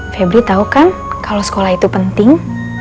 febri tahu kan kalau sekolah itu penting